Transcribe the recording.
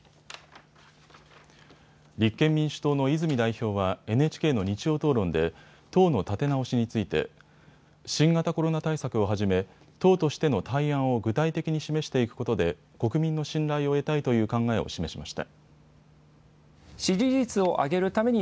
立憲民主党の泉代表はＮＨＫの日曜討論で党の立て直しについて新型コロナ対策をはじめ党としての対案を具体的に示していくことで国民の信頼を得たいという考えを示しました。